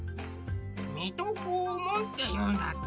「水戸黄門」っていうんだって。